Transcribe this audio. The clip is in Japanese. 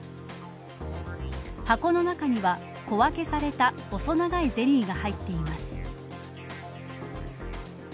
箱の中には、小分けされた細長いゼリーが入っています。